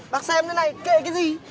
bác xem thế này kệ cái gì